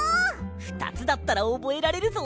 ２つだったらおぼえられるぞ！